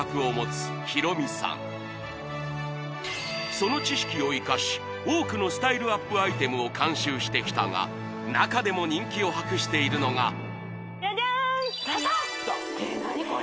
その知識を生かし多くのスタイルアップアイテムを監修してきたが中でも人気を博しているのがジャジャーン！